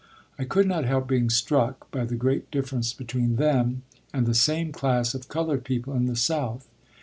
I could not help being struck by the great difference between them and the same class of colored people in the South.